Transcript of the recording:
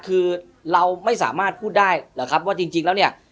คือเราไม่สามารถพูดได้